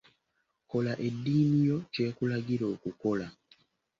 Kola eddiini yo ky'ekulagira okukola.